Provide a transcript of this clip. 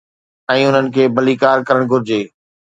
۽ انهن کي ڀليڪار ڪرڻ گهرجي.